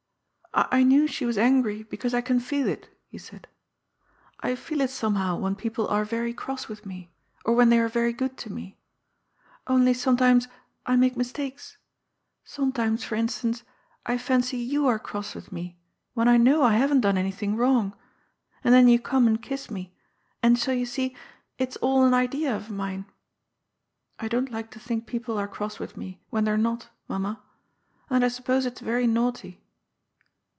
" I knew she was angry, because I can feel it," he said? *' I feel it somehow, when people are very cross with me, or when they are very good to me. Only, sometimes, I make mistakes. Sometimes, for instance, I fancy you are cross with me, when I know I haven't done anything wrong, and then you come and kiss me, and so you see it's all an idea of mine. I don't like to think people are cross with me, when they're not, mamma; and I suppose it's very naughty."